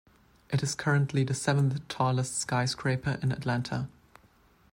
It is currently the seventh-tallest skyscraper in Atlanta.